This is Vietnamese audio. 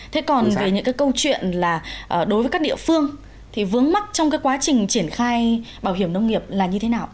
thế còn về những cái câu chuyện là đối với các địa phương thì vướng mắt trong cái quá trình triển khai bảo hiểm nông nghiệp là như thế nào